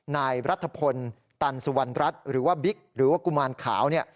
นายรัฐพลตันสุวรรณรัฐหรือว่าบิ๊กหรือว่ากุมารขาว